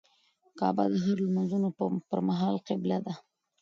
کعبه د هر لمونځه پر مهال قبله ده.